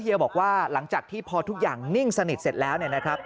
เฮียบอกว่าหลังจากที่พอทุกอย่างนิ่งสนิทเสร็จแล้ว